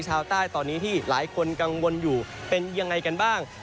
ชาวใต้ตอนนี้ที่หลายคนกังวลอยู่เป็นยังไงกันบ้าง